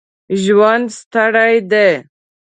ژوند ستړی دی.